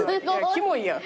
キモいやん。